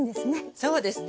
そうですね。